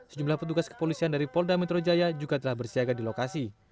sejumlah petugas kepolisian dari polda metro jaya juga telah bersiaga di lokasi